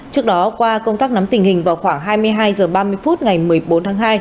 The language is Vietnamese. trước đó qua công tác nắm tình hình vào khoảng hai mươi hai h ba mươi phút ngày một mươi bốn tháng hai